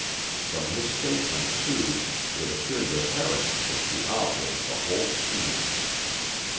From his statement, too, it appeared that Harrison was the author of the whole scheme.